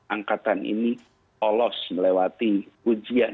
angkatan ini lolos melewati ujian